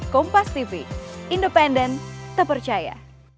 kompas tv independen terpercaya